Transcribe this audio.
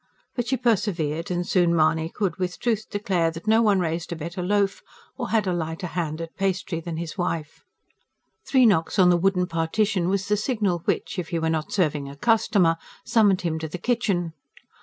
But she persevered: and soon Mahony could with truth declare that no one raised a better loaf or had a lighter hand at pastry than his wife. Three knocks on the wooden partition was the signal which, if he were not serving a customer, summoned him to the kitchen.